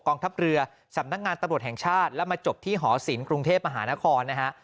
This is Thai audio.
ทัพเรือสำนักงานตำรวจแห่งชาติแล้วมาจบที่หอศิลปกรุงเทพมหานครนะฮะ